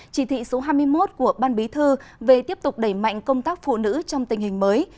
chỉ thị số hai mươi một của ban bí thư về tiếp tục đẩy mạnh công tác phụ nữ trong tình hình mới